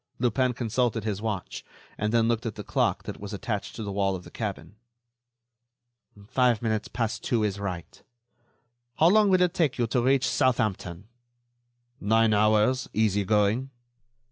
Lupin consulted his watch, then looked at the clock that was attached to the wall of the cabin. "Five minutes past two is right. How long will it take you to reach Southampton?" "Nine hours, easy going."